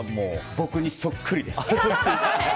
僕にそっくりです。